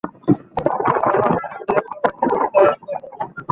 মনে হচ্ছে নিশ্চয়ই একটা অভিযোগ দায়ের করবে।